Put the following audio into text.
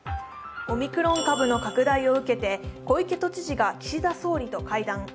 オミクロン株の拡大を受けて、小池都知事が岸田総理と会談。